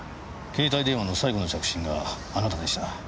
携帯電話の最後の着信があなたでした。